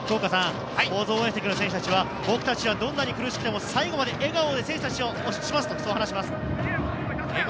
大津応援席の選手たちは、僕たちはどんなに苦しくても最後まで笑顔で選手たちを応援しますと話しています。